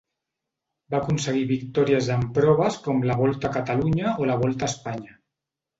Va aconseguir victòries en proves com la Volta a Catalunya o la Volta a Espanya.